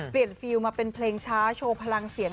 ฟิลมาเป็นเพลงช้าโชว์พลังเสียง